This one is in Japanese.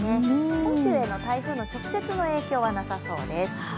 本州への台風の直接の影響はなさそうです。